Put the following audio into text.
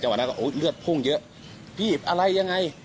จังหวะนั้นเขาอุ๊ยเลือดพุ่งเยอะพี่อะไรยังไง